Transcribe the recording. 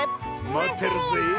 まってるよ！